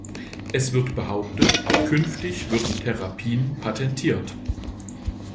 Es wird behauptet, künftig würden Therapien patentiert.